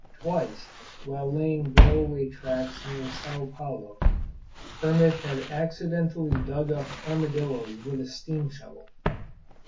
Twice, while laying railway tracks near Sao Paulo, Kermit had accidentally dug up armadillos with a steam shovel.